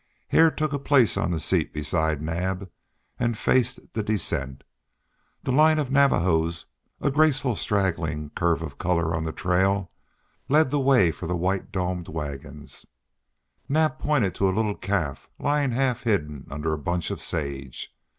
Hare took a place on the seat beside Naab and faced the descent. The line of Navajos, a graceful straggling curve of color on the trail, led the way for the white domed wagons. Naab pointed to a little calf lying half hidden under a bunch of sage.